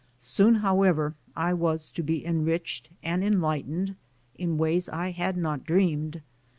Soon, however, I was to be en riched and enlightened in ways I had not dreamed.